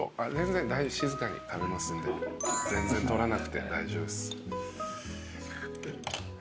静かに食べますんで全然撮らなくて大丈夫です。